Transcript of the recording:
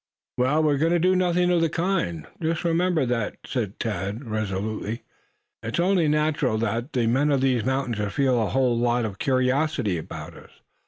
"Well, we're going to do nothing of the kind, just remember that," said Thad, resolutely. "It's only natural that the men of these mountains should feel a whole lot of curiosity about us.